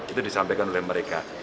itu disampaikan oleh mereka